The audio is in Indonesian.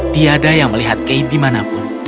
tiada yang melihat kay dimanapun